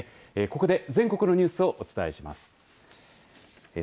ここで全国のニュースをお伝えします。